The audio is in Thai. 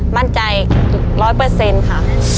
มั่นใจ๑๐๐ค่ะ